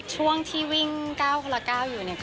ช่วงที่วิ่งก้าวละก้าวอยู่